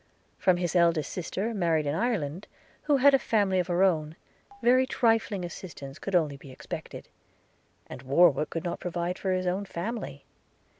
From his eldest sister married in Ireland, who had a family of her own, very trifling assistance only could be expected; and Warwick could not provide for his own family.